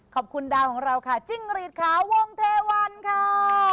ขอบคุณดาวของเราค่ะจิ้งรีดขาวงเทวันค่ะ